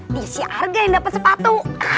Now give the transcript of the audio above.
di si arga yang dapet sepatu